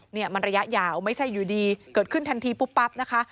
เนี่ยมันระยะยาวไม่ใช่อยู่ดีเกิดขึ้นทันทีปุ๊บปั๊บนะคะ